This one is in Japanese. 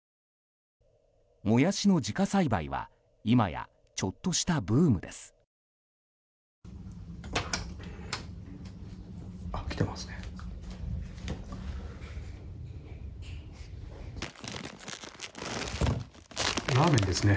もやしの自家栽培は今やちょっとしたブームです。来ていますね。